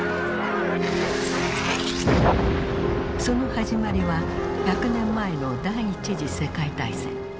その始まりは１００年前の第一次世界大戦。